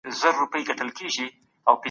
د مېوو په خوړلو سره پوستکی ځلیږي.